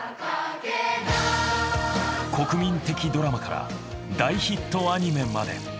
国民的ドラマから大ヒットアニメまで。